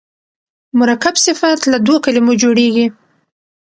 مرکب صفت له دوو کلمو جوړیږي.